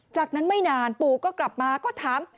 จากนั้นไม่นานปู่ก็กลับมาก็ถาม